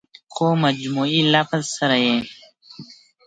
خو مجموعي لحاظ سره ئې